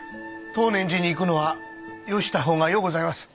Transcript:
東念寺に行くのはよした方がようございます。